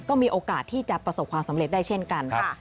ก็มีโอกาสที่จะประสบความสำเร็จได้เช่นกันค่ะ